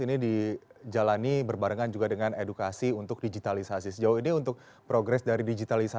ini dijalani berbarengan juga dengan edukasi untuk digitalisasi sejauh ini untuk progres dari digitalisasi